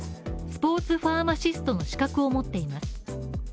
スポーツファーマシストの資格を持っています